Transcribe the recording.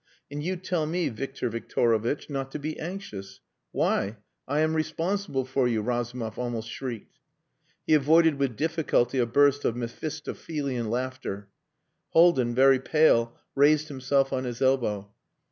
And you tell me, Victor Victorovitch, not to be anxious! Why! I am responsible for you," Razumov almost shrieked. He avoided with difficulty a burst of Mephistophelian laughter. Haldin, very pale, raised himself on his elbow.